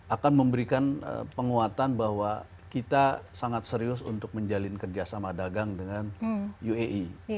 akan memberikan penguatan bahwa kita sangat serius untuk menjalin kerjasama dagang dengan uae